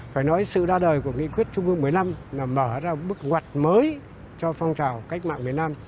phải nói sự ra đời của nghị quyết trung ương một mươi năm là mở ra bước ngoặt mới cho phong trào cách mạng miền nam